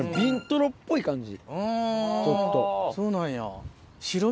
そうなんや。